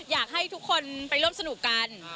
อยากให้ทุกคนไปร่วมสนุกกัน